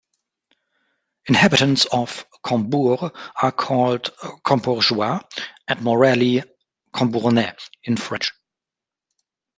Inhabitants of Combourg are called "Combourgeois" and, more rarely "Combournais", in French.